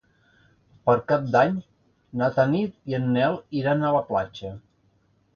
Per Cap d'Any na Tanit i en Nel iran a la platja.